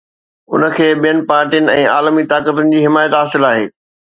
ان کي ٻين پارٽين ۽ عالمي طاقتن جي حمايت حاصل آهي.